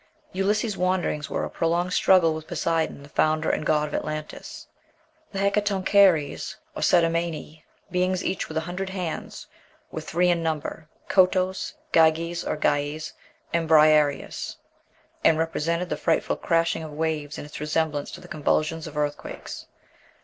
Ulysses's wanderings were a prolonged struggle with Poseidon, the founder and god of Atlantis. "The Hekatoncheires, or Cetimæni, beings each with a hundred hands, were three in number Kottos, Gyges or Gyes, and Briareus and represented the frightful crashing of waves, and its resemblance to the convulsions of earthquakes."